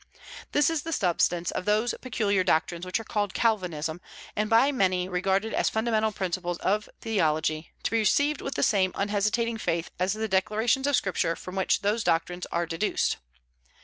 This is the substance of those peculiar doctrines which are called Calvinism, and by many regarded as fundamental principles of theology, to be received with the same unhesitating faith as the declarations of Scripture from which those doctrines are deduced.